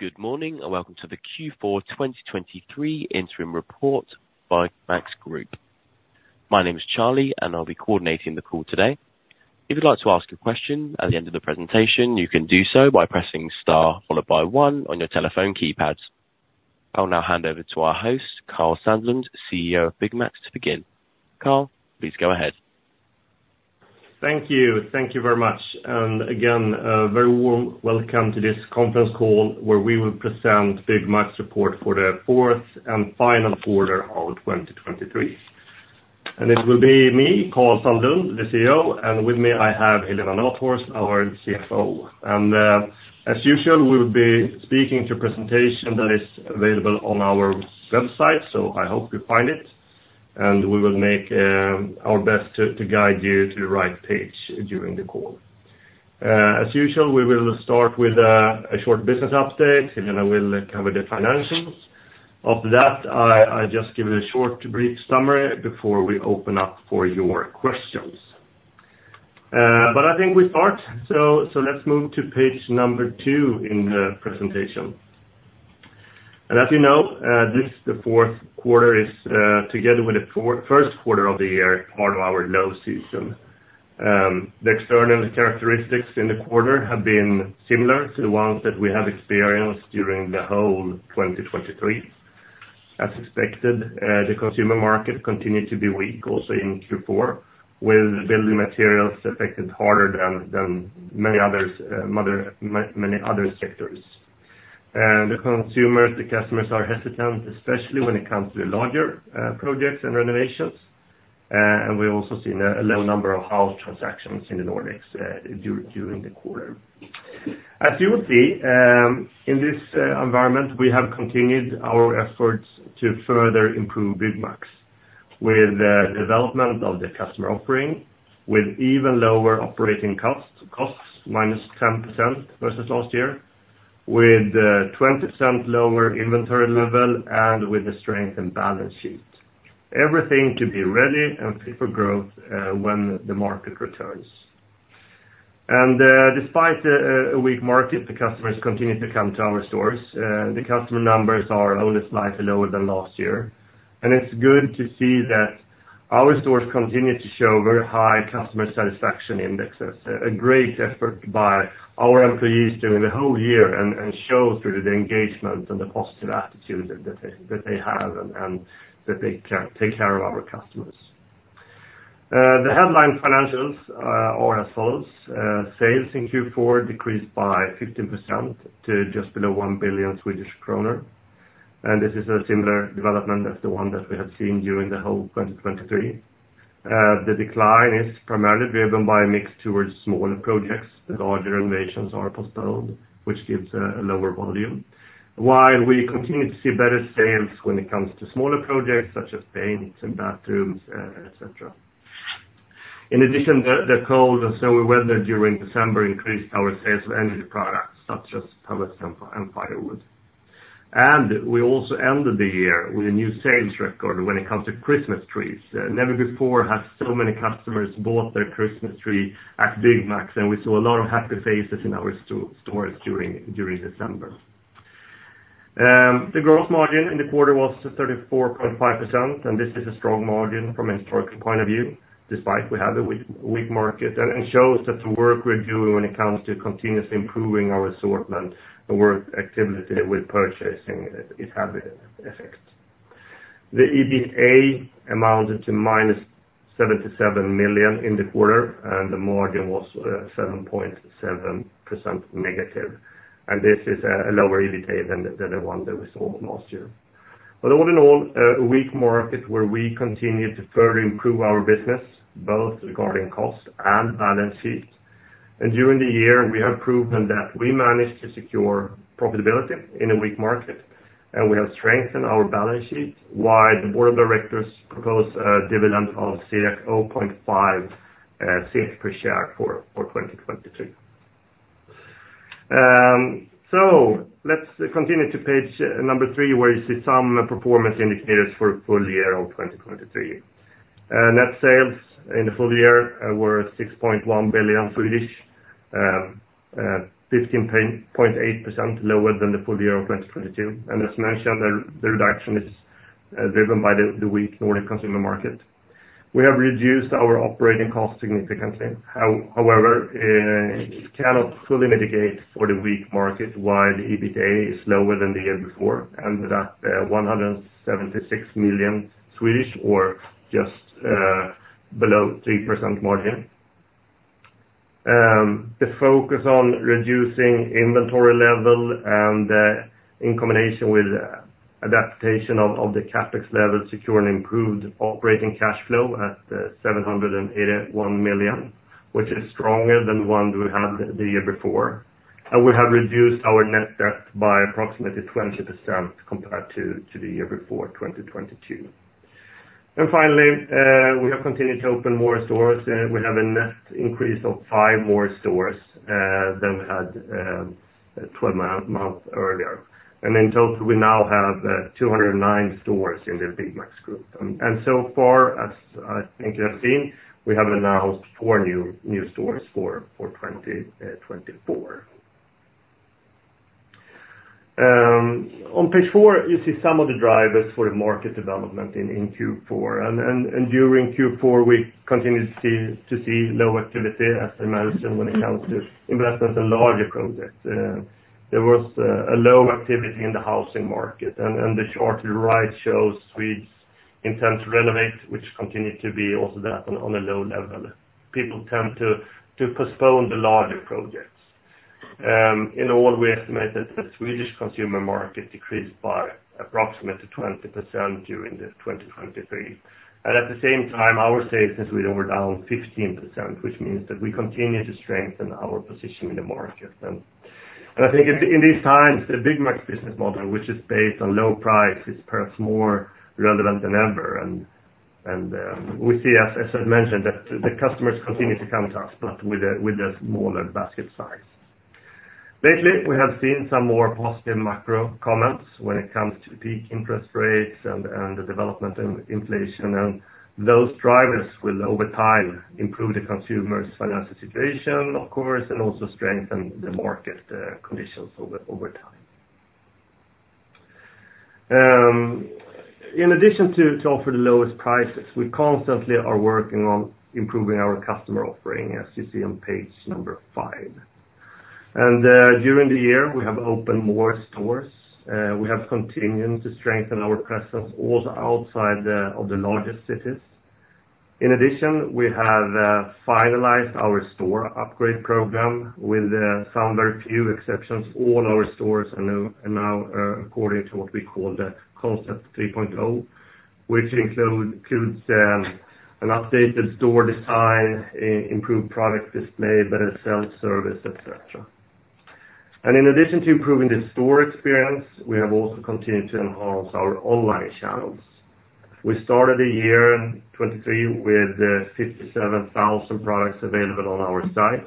Good morning, and welcome to the Q4 2023 interim report by Byggmax Group. My name is Charlie, and I'll be coordinating the call today. If you'd like to ask a question at the end of the presentation, you can do so by pressing star followed by one on your telephone keypad. I'll now hand over to our host, Karl Sandlund, CEO of Byggmax, to begin. Karl, please go ahead. Thank you. Thank you very much. And again, a very warm welcome to this conference call, where we will present Byggmax's report for the fourth and final quarter of 2023. And it will be me, Karl Sandlund, the CEO, and with me, I have Helena Nathhorst, our CFO. And, as usual, we will be speaking to a presentation that is available on our website, so I hope you find it, and we will make our best to guide you to the right page during the call. As usual, we will start with a short business update, and then I will cover the financials. After that, I just give it a short, brief summary before we open up for your questions. But I think we start, so let's move to page number two in the presentation. As you know, this, the fourth quarter, is, together with the first quarter of the year, part of our low season. The external characteristics in the quarter have been similar to the ones that we have experienced during the whole 2023. As expected, the consumer market continued to be weak also in Q4, with building materials affected harder than many other sectors. The consumers, the customers are hesitant, especially when it comes to the larger projects and renovations, and we also seen a low number of house transactions in the Nordics, during the quarter. As you will see, in this environment, we have continued our efforts to further improve Byggmax with the development of the customer offering, with even lower operating costs, minus 10% versus last year, with 20% lower inventory level and with a strengthened balance sheet. Everything to be ready and fit for growth, when the market returns. Despite a weak market, the customers continue to come to our stores. The customer numbers are only slightly lower than last year, and it's good to see that our stores continue to show very high customer satisfaction indexes. A great effort by our employees during the whole year and show through the engagement and the positive attitude that they have and that they care, take care of our customers. The headline financials are as follows. Sales in Q4 decreased by 15% to just below 1 billion Swedish kronor, and this is a similar development as the one that we have seen during the whole 2023. The decline is primarily driven by a mix towards smaller projects. The larger renovations are postponed, which gives a lower volume. While we continue to see better sales when it comes to smaller projects such as paints and bathrooms, et cetera. In addition, the cold and snowy weather during December increased our sales of energy products such as pellets and firewood. And we also ended the year with a new sales record when it comes to Christmas trees. Never before have so many customers bought their Christmas tree at Byggmax, and we saw a lot of happy faces in our stores during December. The gross margin in the quarter was 34.5%, and this is a strong margin from a historical point of view, despite we have a weak, weak market, and it shows that the work we're doing when it comes to continuously improving our assortment and work activity with purchasing, it have effect. The EBITDA amounted to -77 million in the quarter, and the margin was 7.7% negative, and this is a lower EBITDA than the one that we saw last year. But all in all, a weak market where we continued to further improve our business, both regarding cost and balance sheet. During the year, we have proven that we managed to secure profitability in a weak market, and we have strengthened our balance sheet, while the board of directors proposed a dividend of 0.5 SEK per share for 2023. So let's continue to page number three, where you see some performance indicators for full year of 2023. Net sales in the full year were 6.1 billion, 15.8% lower than the full year of 2022. And as mentioned, the reduction is driven by the weak Nordic consumer market. We have reduced our operating costs significantly. However, cannot fully mitigate for the weak market, while the EBITDA is lower than the year before, and that 176 million SEK, or just below 3% margin. The focus on reducing inventory level and, in combination with adaptation of the CapEx level, secure and improved operating cash flow at 781 million, which is stronger than the one we had the year before. And we have reduced our net debt by approximately 20% compared to the year before, 2022. And finally, we have continued to open more stores, and we have a net increase of 5 more stores than we had 12 months earlier. And in total, we now have 209 stores in the Byggmax Group. And so far, as I think you have seen, we have announced four new stores for 2024. On page 4, you see some of the drivers for the market development in Q4. During Q4, we continued to see low activity, as I mentioned, when it comes to investment and larger projects. There was a low activity in the housing market, and the Konjunkturbarometern shows Swedes' intent to renovate, which continued to be also at a low level. People tend to postpone the larger projects. In all, we estimate that the Swedish consumer market decreased by approximately 20% during 2023, and at the same time, our sales have been down over 15%, which means that we continue to strengthen our position in the market. And I think in these times, the Byggmax business model, which is based on low price, is perhaps more relevant than ever. We see, as I mentioned, that the customers continue to come to us, but with a smaller basket size. Lately, we have seen some more positive macro comments when it comes to peak interest rates and the development in inflation, and those drivers will, over time, improve the consumer's financial situation, of course, and also strengthen the market conditions over time. In addition to offer the lowest prices, we constantly are working on improving our customer offering, as you see on page number five. During the year, we have opened more stores. We have continued to strengthen our presence also outside of the largest cities. In addition, we have finalized our store upgrade program with some very few exceptions. All our stores are now according to what we call the Concept 3.0, which includes an updated store design, improved product display, better self-service, et cetera. And in addition to improving the store experience, we have also continued to enhance our online channels. We started the year in 2023 with 57,000 products available on our site,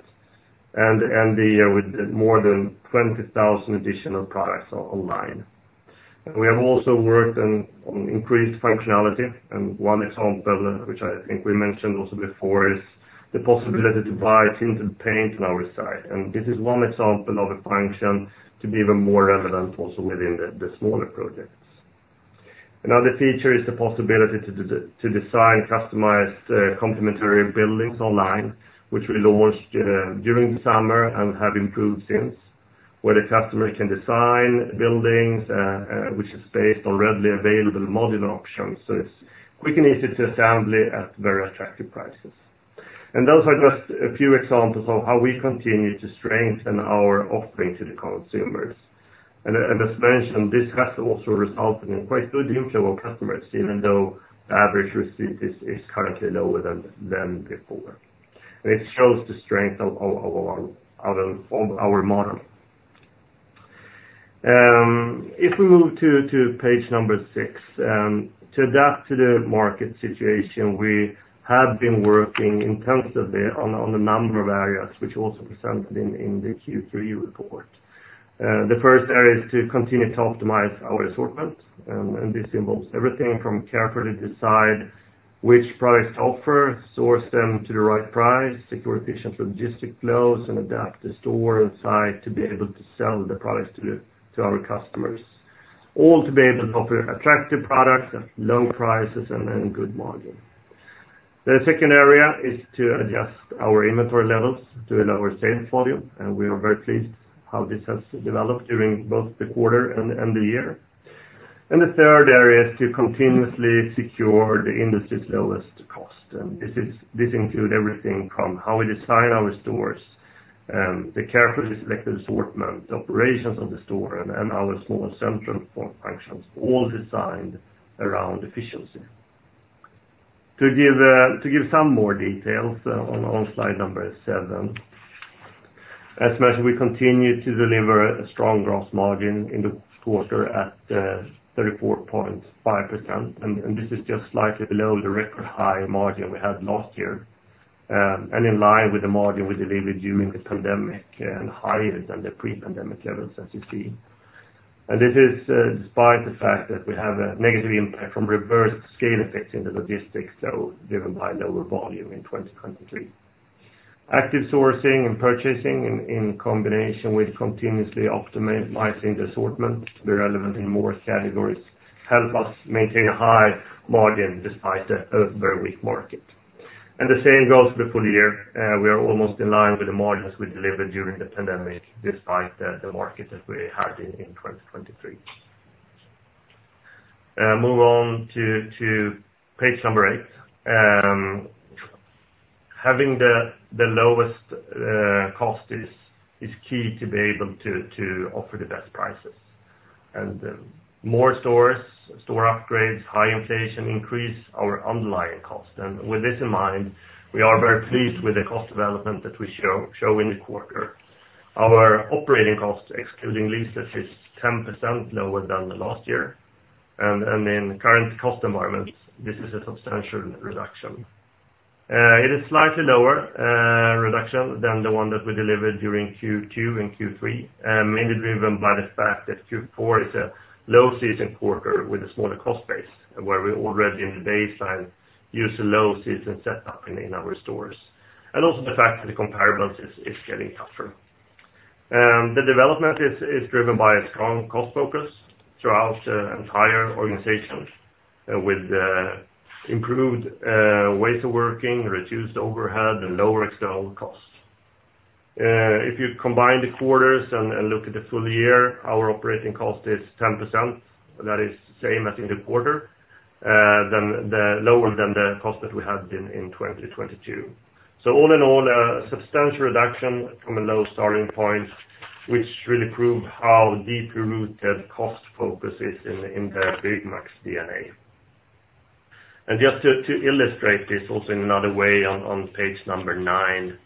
and end the year with more than 20,000 additional products online. And we have also worked on increased functionality, and one example, which I think we mentioned also before, is the possibility to buy tinted paint on our site, and this is one example of a function to be even more relevant also within the smaller projects. Another feature is the possibility to design customized, complimentary buildings online, which we launched during the summer and have improved since, where the customer can design buildings, which is based on readily available modular options. So it's quick and easy to assembly at very attractive prices. And those are just a few examples of how we continue to strengthen our offering to the consumers. And as mentioned, this has also resulted in quite good income of our customers, even though the average receipt is currently lower than before. It shows the strength of our model. If we move to page number six, to adapt to the market situation, we have been working intensively on a number of areas which also presented in the Q3 report. The first area is to continue to optimize our assortment, and this involves everything from carefully decide which products to offer, source them to the right price, secure efficient logistic flows, and adapt the store and site to be able to sell the products to our customers, all to be able to offer attractive products at low prices and good margin. The second area is to adjust our inventory levels to a lower sales volume, and we are very pleased how this has developed during both the quarter and the year. The third area is to continuously secure the industry's lowest cost, and this include everything from how we design our stores, the carefully selected assortment, operations of the store, and our small central support functions, all designed around efficiency. To give some more details on slide number seven, as mentioned, we continue to deliver a strong gross margin in the quarter at 34.5%, and this is just slightly below the record high margin we had last year, and in line with the margin we delivered during the pandemic, and higher than the pre-pandemic levels, as you see. This is despite the fact that we have a negative impact from reverse scale effects in the logistics, so driven by lower volume in 2023. Active sourcing and purchasing, in combination with continuously optimizing the assortment, relevant in more categories, help us maintain a high margin despite a very weak market. The same goes for the full year, we are almost in line with the margins we delivered during the pandemic, despite the market that we had in 2023. Move on to page eight. Having the lowest cost is key to be able to offer the best prices. And more stores, store upgrades, high inflation increase our underlying costs. And with this in mind, we are very pleased with the cost development that we show in the quarter. Our operating costs, excluding leases, is 10% lower than the last year, and in current cost environments, this is a substantial reduction. It is slightly lower reduction than the one that we delivered during Q2 and Q3, mainly driven by the fact that Q4 is a low season quarter with a smaller cost base, where we already in the baseline use a low season setup in our stores, and also the fact that the comparables is getting tougher. The development is driven by a strong cost focus throughout the entire organization with improved ways of working, reduced overhead, and lower external costs. If you combine the quarters and look at the full year, our operating cost is 10%, that is same as in the quarter, than the lower than the cost that we had been in 2022. So all in all, a substantial reduction from a low starting point, which really proved how deeply rooted cost focus is in the Byggmax DNA. And just to illustrate this also in another way, on page nine,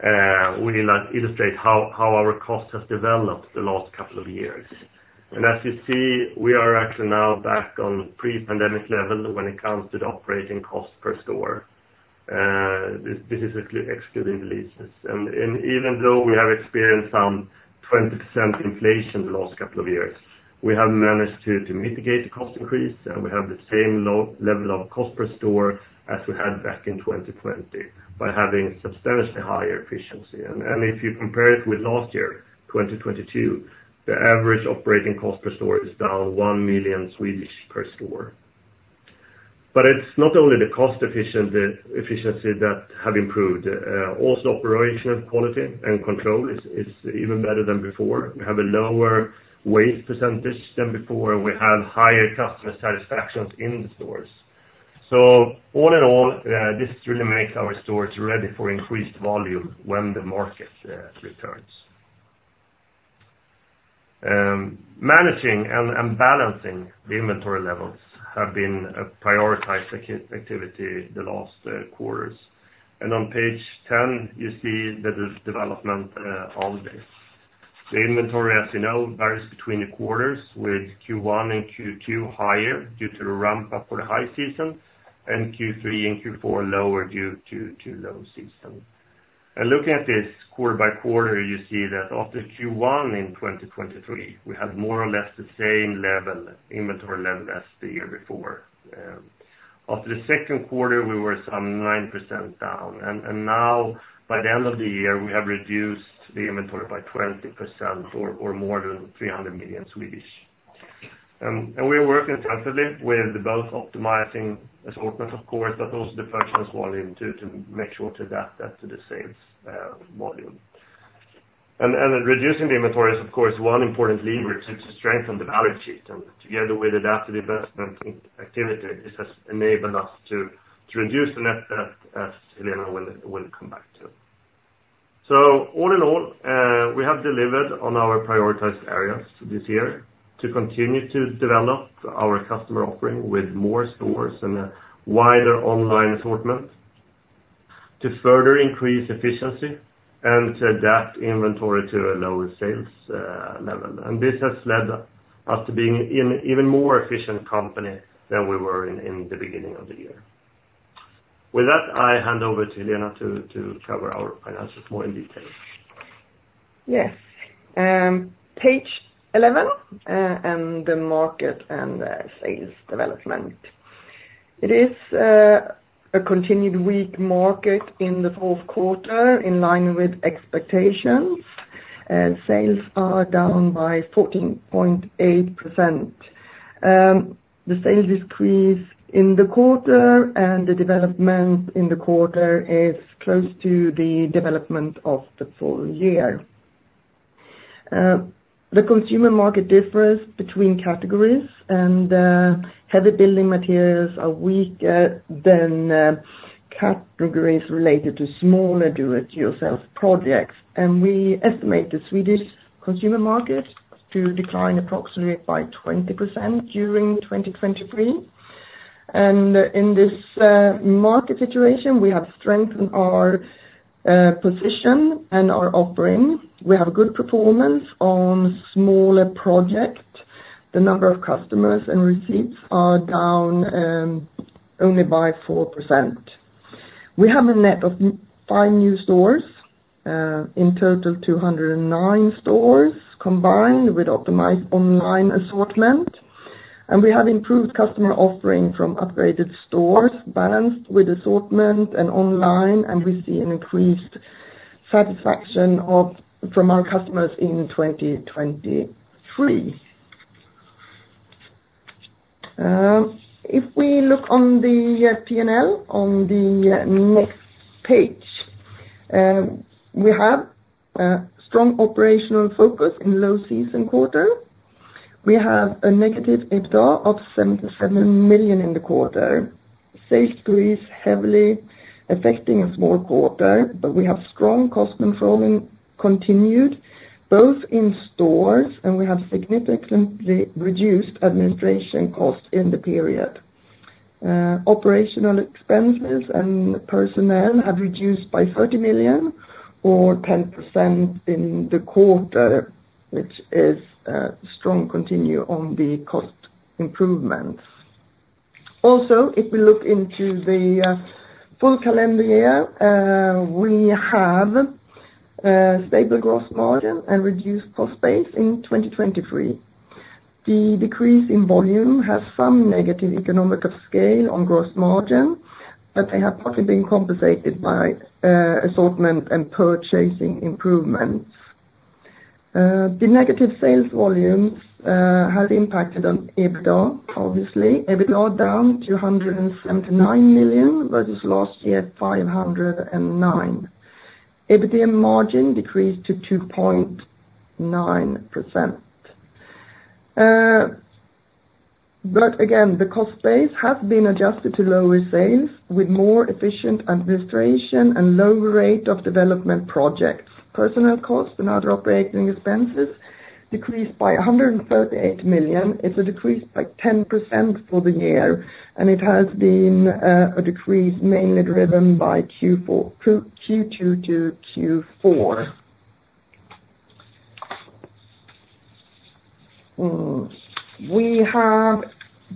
we illustrate how our costs have developed the last couple of years. And as you see, we are actually now back on pre-pandemic level when it comes to the operating cost per store. This is excluding the leases. And even though we have experienced some 20% inflation the last couple of years, we have managed to mitigate the cost increase, and we have the same low level of cost per store as we had back in 2020, by having substantially higher efficiency. If you compare it with last year, 2022, the average operating cost per store is down 1 million per store. But it's not only the cost efficient efficiency that have improved, also operational quality and control is even better than before. We have a lower waste percentage than before, and we have higher customer satisfactions in the stores. So all in all, this really makes our stores ready for increased volume when the market returns. Managing and balancing the inventory levels have been a prioritized activity the last quarters. On page 10, you see the development on this. The inventory, as you know, varies between the quarters, with Q1 and Q2 higher due to the ramp up for the high season, and Q3 and Q4 lower due to low season. Looking at this quarter-by-quarter, you see that after Q1 in 2023, we had more or less the same level, inventory level as the year before. After the second quarter, we were some 9% down, and now, by the end of the year, we have reduced the inventory by 20% or more than 300 million. And we are working intensively with both optimizing assortment, of course, but also the purchase volume to make sure to adapt that to the sales volume. And reducing the inventory is, of course, one important lever to strengthen the balance sheet, and together with adaptive investment activity, this has enabled us to reduce the net debt, as Helena will come back to. So all in all, we have delivered on our prioritized areas this year to continue to develop our customer offering with more stores and a wider online assortment, to further increase efficiency and to adapt inventory to a lower sales level. This has led us to being an even more efficient company than we were in the beginning of the year. With that, I hand over to Helena to cover our finances more in detail. Yes. Page eleven, and the market and sales development. It is a continued weak market in the fourth quarter, in line with expectations, and sales are down by 14.8%. The sales decrease in the quarter and the development in the quarter is close to the development of the full year. The consumer market differs between categories, and heavy building materials are weaker than categories related to smaller do-it-yourself projects. And we estimate the Swedish consumer market to decline approximately by 20% during 2023. And in this market situation, we have strengthened our position and our offering. We have good performance on smaller projects. The number of customers and receipts are down only by 4%. We have a net of five new stores, in total, 209 stores, combined with optimized online assortment. We have improved customer offering from upgraded stores, balanced with assortment and online, and we see an increased satisfaction of, from our customers in 2023. If we look on the P&L, on the next page, we have a strong operational focus in low season quarter. We have a negative EBITDA of 77 million in the quarter. Sales decrease heavily affecting a small quarter, but we have strong cost controlling continued, both in stores, and we have significantly reduced administration costs in the period. Operational expenses and personnel have reduced by 30 million, or 10% in the quarter, which is a strong continue on the cost improvements. Also, if we look into the full calendar year, we have stable growth margin and reduced cost base in 2023. The decrease in volume has some negative economical scale on gross margin, but they have partly been compensated by assortment and purchasing improvements. The negative sales volumes has impacted on EBITDA, obviously. EBITDA down to 179 million versus last year, 509 million. EBITDA margin decreased to 2.9%. But again, the cost base has been adjusted to lower sales with more efficient administration and lower rate of development projects. Personnel costs and other operating expenses decreased by 138 million. It's a decrease by 10% for the year, and it has been a decrease mainly driven by Q4, Q2 to Q4. We have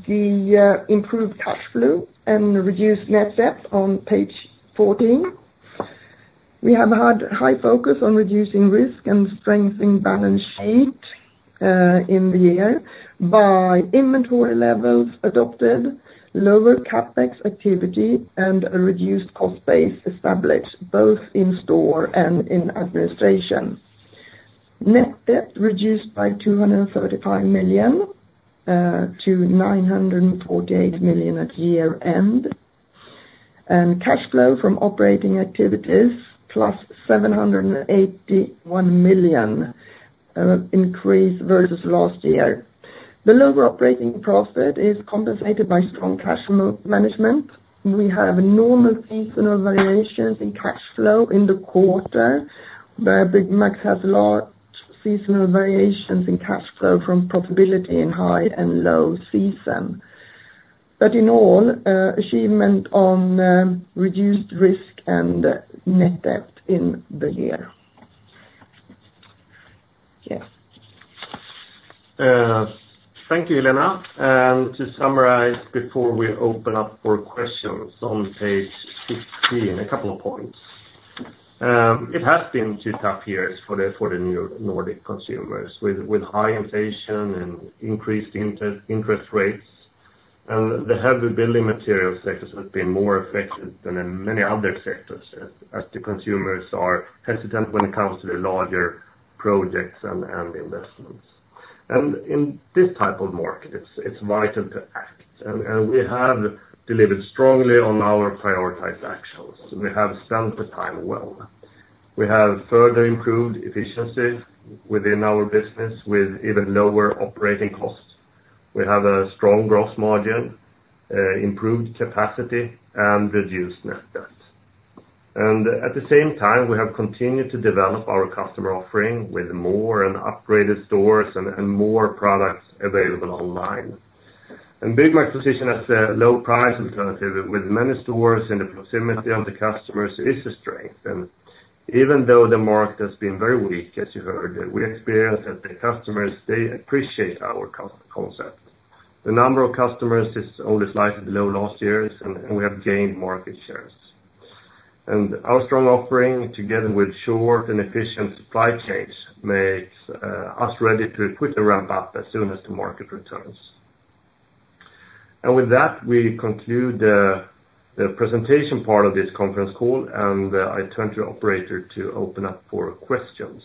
the improved cash flow and reduced net debt on page 14. We have had high focus on reducing risk and strengthening balance sheet in the year by inventory levels adopted, lower CapEx activity, and a reduced cost base established both in store and in administration. Net debt reduced by 235 million to 948 million at year-end, and cash flow from operating activities, +781 million, increase versus last year. The lower operating profit is compensated by strong cash management. We have normal seasonal variations in cash flow in the quarter, where Byggmax has large seasonal variations in cash flow from profitability in high and low season. But in all, achievement on reduced risk and net debt in the year. Yes. Thank you, Helena. And to summarize, before we open up for questions on page 15, a couple of points. It has been two tough years for the Nordic consumers, with high inflation and increased interest rates. And the heavy building material sectors has been more affected than in many other sectors, as the consumers are hesitant when it comes to the larger projects and investments. And in this type of market, it's vital to act, and we have delivered strongly on our prioritized actions. We have spent the time well. We have further improved efficiencies within our business with even lower operating costs. We have a strong gross margin, improved capacity, and reduced net debt. At the same time, we have continued to develop our customer offering with more and upgraded stores and more products available online. Byggmax's position as a low price alternative with many stores in the proximity of the customers is a strength. Even though the market has been very weak, as you heard, we experience that the customers, they appreciate our concept. The number of customers is only slightly below last year's, and we have gained market shares. Our strong offering, together with short and efficient supply chains, makes us ready to quickly ramp up as soon as the market returns. With that, we conclude the presentation part of this conference call, and I turn to the operator to open up for questions.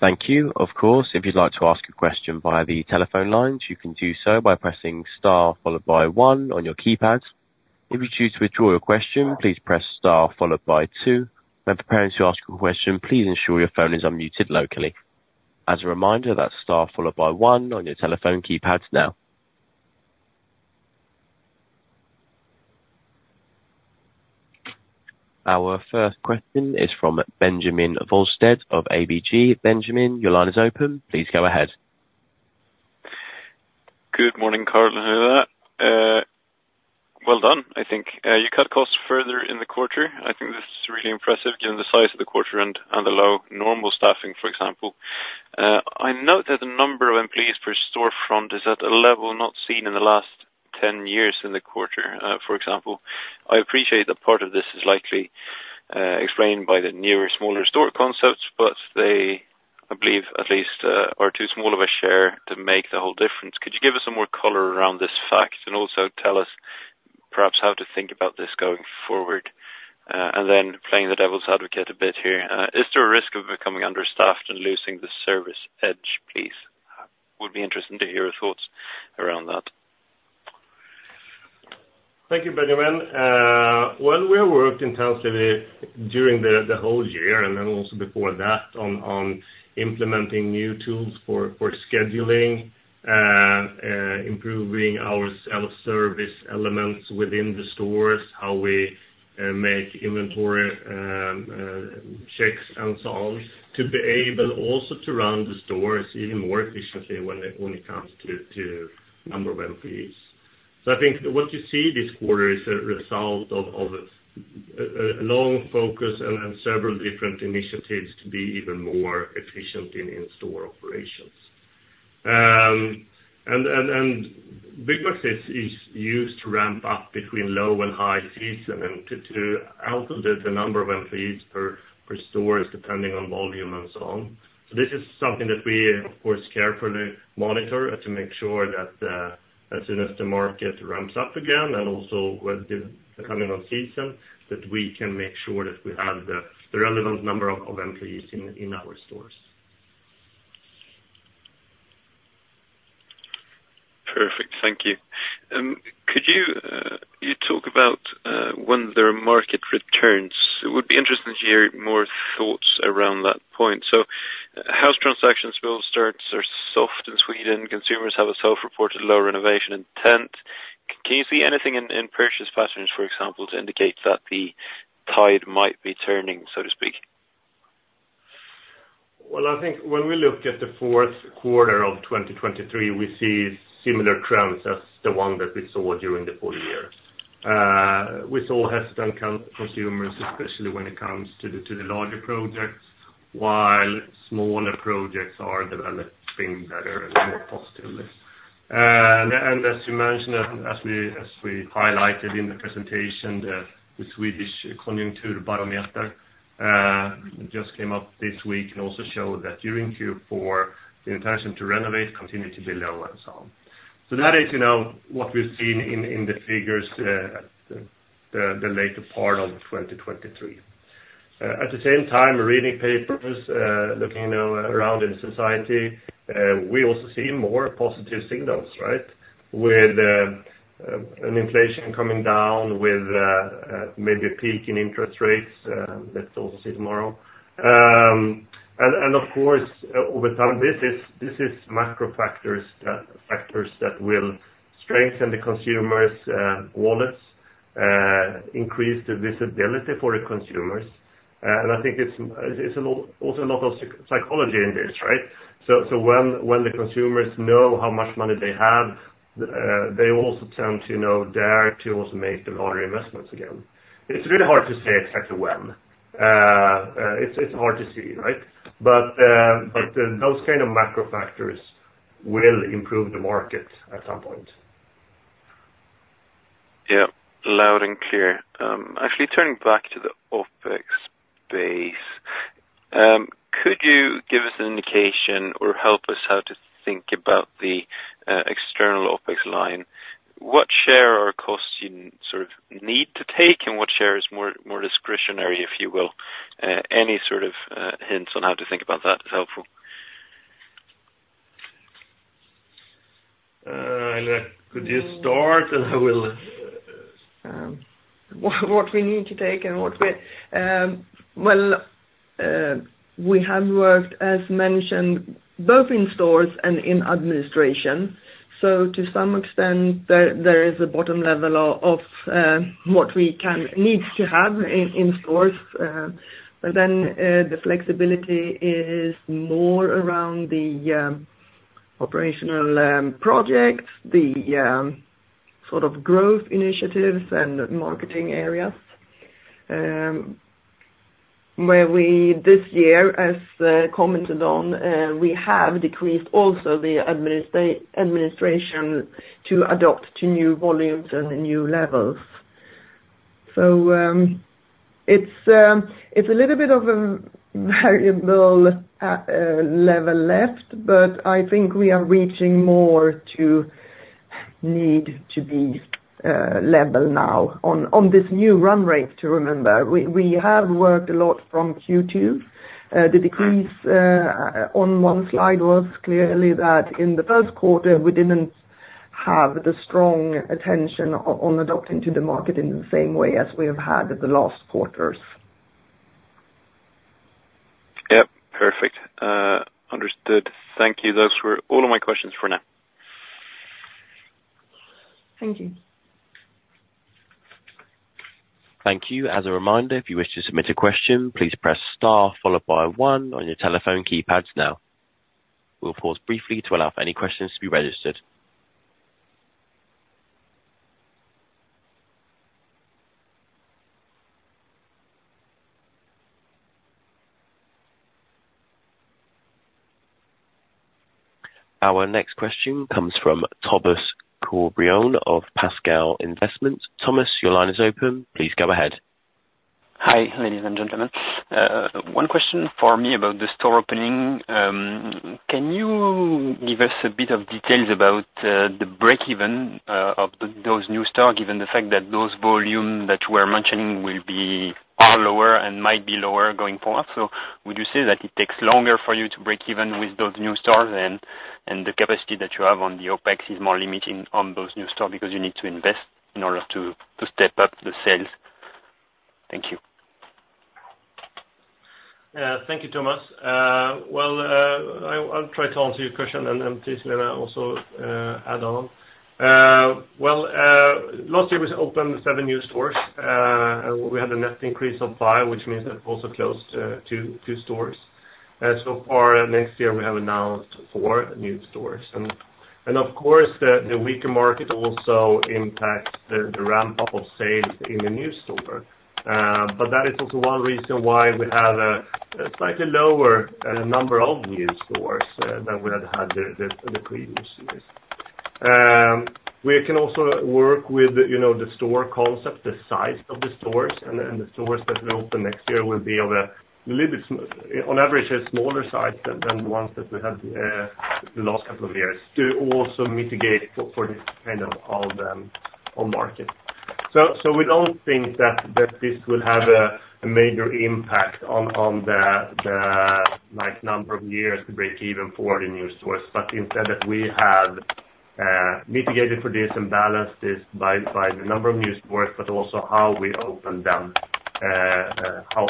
Thank you. Of course, if you'd like to ask a question via the telephone lines, you can do so by pressing star followed by one on your keypad. If you choose to withdraw your question, please press star followed by two. When preparing to ask your question, please ensure your phone is unmuted locally. As a reminder, that's star followed by one on your telephone keypads now. Our first question is from Benjamin Wahlstedt of ABG. Benjamin, your line is open. Please go ahead. Good morning, Carl and Helena. Well done. I think you cut costs further in the quarter. I think this is really impressive, given the size of the quarter and the low normal staffing, for example. I note that the number of employees per storefront is at a level not seen in the last 10 years in the quarter, for example. I appreciate that part of this is likely explained by the newer, smaller store concepts, but they, I believe, at least, are too small of a share to make the whole difference. Could you give us some more color around this fact, and also tell us perhaps how to think about this going forward? And then playing the devil's advocate a bit here, is there a risk of becoming understaffed and losing the service edge, please? Would be interesting to hear your thoughts around that. Thank you, Benjamin. Well, we worked intensively during the whole year and then also before that, on implementing new tools for scheduling, improving our self-service elements within the stores, how we make inventory checks and so on, to be able also to run the stores even more efficiently when it comes to number of employees. So I think what you see this quarter is a result of a long focus and several different initiatives to be even more efficient in-store operations. And Byggmax is used to ramp up between low and high season and to out the number of employees per stores, depending on volume and so on. This is something that we of course carefully monitor to make sure that as soon as the market ramps up again, and also with the coming on season, that we can make sure that we have the relevant number of employees in our stores. Perfect. Thank you. Could you talk about when the market returns? It would be interesting to hear more thoughts around that point. So house transactions, building starts are soft in Sweden. Consumers have a self-reported low renovation intent. Can you see anything in purchase patterns, for example, to indicate that the tide might be turning, so to speak? Well, I think when we look at the fourth quarter of 2023, we see similar trends as the one that we saw during the full year. We saw hesitant consumers, especially when it comes to the, to the larger projects, while smaller projects are developing better and more positively. And as you mentioned, as we, as we highlighted in the presentation, the Swedish Konjunkturbarometern just came up this week and also showed that during Q4, the intention to renovate continued to be low and so on. So that is, you know, what we've seen in, in the figures, the later part of 2023. At the same time, reading papers, looking, you know, around in society, we also see more positive signals, right? With an inflation coming down, with maybe a peak in interest rates, let's also see tomorrow. And of course, over time, this is macro factors, factors that will strengthen the consumers' wallets, increase the visibility for the consumers. And I think it's a lot, also a lot of psychology in this, right? So when the consumers know how much money they have, they also tend to, you know, dare to also make the larger investments again. It's really hard to say exactly when. It's hard to see, right? But those kind of macro factors will improve the market at some point. Yeah. Loud and clear. Actually, turning back to the OpEx base, could you give us an indication or help us how to think about the external OpEx line? What share or costs you sort of need to take, and what share is more discretionary, if you will? Any sort of hints on how to think about that is helpful. Helena, could you start, and I will, Well, we have worked, as mentioned, both in stores and in administration. So to some extent, there is a bottom level of what we can need to have in stores. But then, the flexibility is more around the operational projects, the sort of growth initiatives and marketing areas. Where we this year, as commented on, we have decreased also the administration to adopt to new volumes and new levels. So, it's a little bit of a variable level left, but I think we are reaching more to need to be level now on this new run rate to remember. We have worked a lot from Q2. The decrease on one slide was clearly that in the first quarter, we didn't have the strong attention on adapting to the market in the same way as we have had the last quarters. Yep. Perfect. Understood. Thank you. Those were all of my questions for now. Thank you. Thank you. As a reminder, if you wish to submit a question, please press star followed by one on your telephone keypads now. We'll pause briefly to allow any questions to be registered. Our next question comes from Thomas Corbrion of Pascal Investments. Thomas, your line is open. Please go ahead. Hi, ladies and gentlemen. One question for me about the store opening. Can you give us a bit of details about the break even of those new store, given the fact that those volume that you were mentioning will be, are lower and might be lower going forward? So would you say that it takes longer for you to break even with those new stores, and the capacity that you have on the OpEx is more limiting on those new store, because you need to invest in order to step up the sales? Thank you. Thank you, Thomas. Well, I'll try to answer your question and then please Lena also add on. Well, last year we opened seven new stores. We had a net increase of five, which means that we also closed two stores. So for next year we have announced four new stores, and of course, the weaker market also impacts the ramp-up of sales in the new store. But that is also one reason why we have a slightly lower number of new stores than we had had the previous years. We can also work with, you know, the store concept, the size of the stores, and then, the stores that will open next year will be of a little bit smaller size on average than the ones that we had the last couple of years, to also mitigate for this kind of on the market. So we don't think that this will have a major impact on the like number of years to break even for the new stores. But instead that we have mitigated for this and balanced this by the number of new stores, but also how we open them, how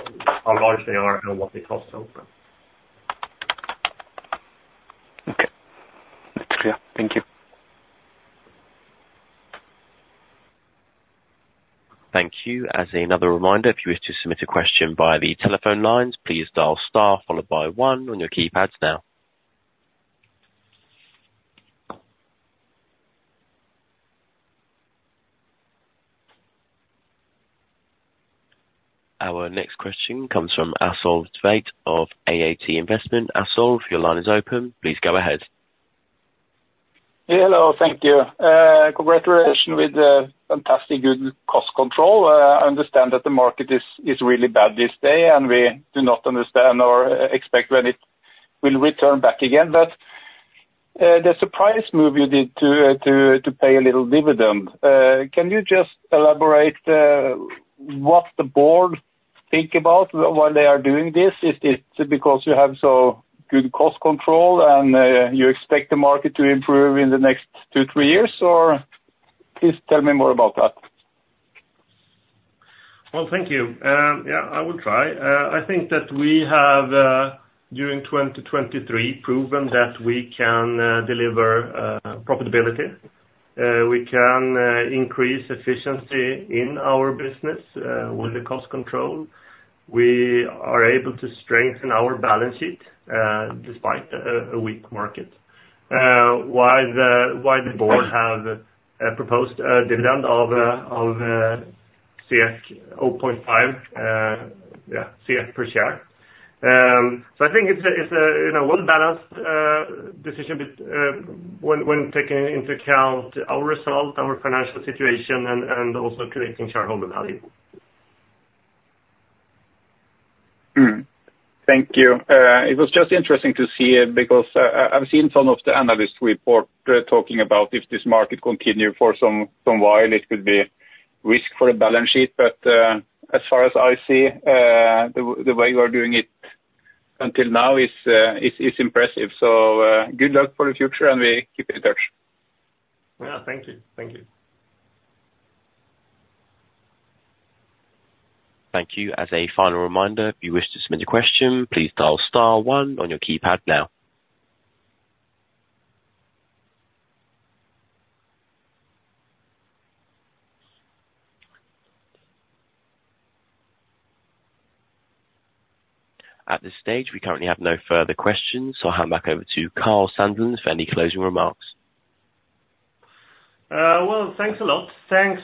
large they are and what it costs to open. Okay. That's clear. Thank you. Thank you. As another reminder, if you wish to submit a question via the telephone lines, please dial star followed by one on your keypads now. Our next question comes from Åsulv Tveit of AAT Investment. Asulv, your line is open. Please go ahead. Yeah, hello, thank you. Congratulations with the fantastic good cost control. I understand that the market is really bad this day, and we do not understand or expect when it will return back again. But the surprise move you did to pay a little dividend, can you just elaborate what the board think about why they are doing this? Is it because you have so good cost control and you expect the market to improve in the next two to three years? Or please tell me more about that. Well, thank you. Yeah, I will try. I think that we have, during 2023, proven that we can deliver profitability. We can increase efficiency in our business with the cost control. We are able to strengthen our balance sheet despite a weak market. Why the board have proposed a dividend of 0.5? Yeah, SEK per share. So I think it's a well-balanced decision when taking into account our result, our financial situation, and also creating shareholder value. Hmm. Thank you. It was just interesting to see it because I've seen some of the analyst report talking about if this market continue for some while, it could be risk for the balance sheet. But, as far as I see, the way you are doing it until now is impressive. So, good luck for the future, and we keep in touch. Well, thank you. Thank you. Thank you. As a final reminder, if you wish to submit your question, please dial star one on your keypad now. At this stage, we currently have no further questions, so I'll hand back over to Karl Sandlund for any closing remarks. Well, thanks a lot. Thanks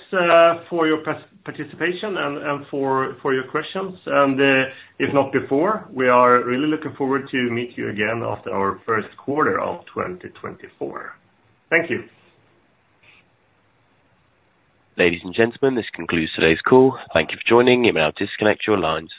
for your participation and for your questions. And if not before, we are really looking forward to meet you again after our first quarter of 2024. Thank you. Ladies and gentlemen, this concludes today's call. Thank you for joining. You may now disconnect your lines.